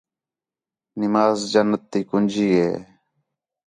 نماز جنت تی کنجی ہِے